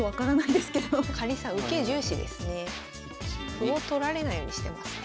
歩を取られないようにしてますね。